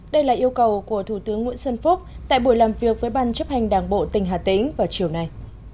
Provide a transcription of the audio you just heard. đây là yêu cầu của thủ tướng nguyễn xuân phúc tại buổi làm việc với ban chấp hành đảng bộ tỉnh hà tĩnh vào chiều nay